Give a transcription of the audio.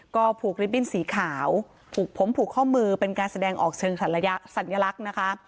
ก็ผูกลิฟตบิ้นสีขาวผูกผมผูกข้อมือเป็นการแสดงออกเชิงสัญลักษณ์นะคะ